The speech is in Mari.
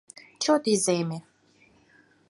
Чот иземе...